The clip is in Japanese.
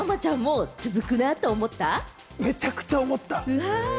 めちゃくちゃ思った。